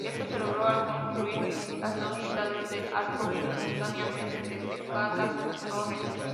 Esto se logró al construir las dos mitades del arco simultáneamente desde cada torre.